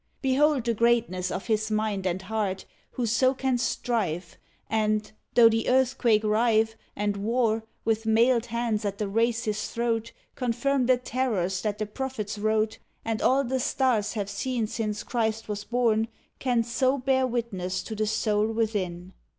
Behold the greatness of his mind and heart Who so can strive And, tho the earthquake rive, And War, with mailed hands at the race s throat, Confirm the terrors that the prophets wrote And all the stars have seen since Christ was born, Can so bear witness to the soul within